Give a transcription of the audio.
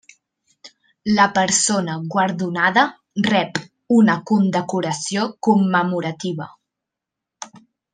La persona guardonada rep una condecoració commemorativa.